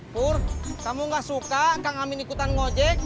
pur kamu gak suka kang amin ikutan ngojek